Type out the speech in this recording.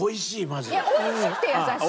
おいしくて優しい？